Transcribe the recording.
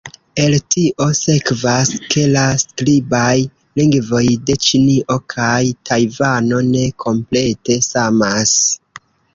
El tio sekvas, ke la skribaj lingvoj de Ĉinio kaj Tajvano ne komplete samas.